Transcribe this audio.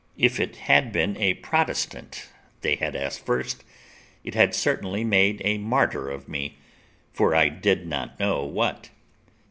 If it had been the Protestant they had asked first, it had certainly made a martyr of me for I did not know what.